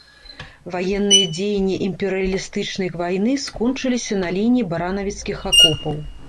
Ваенныя дзеянні імперыялістычнай вайны скончыліся на лініі баранавіцкіх акопаў.